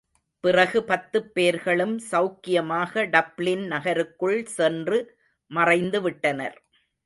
பிறகு பத்துப் பேர்களும் செளக்கியமாக டப்ளின் நகருக்குள் சென்று மறைந்துவிட்டனர்.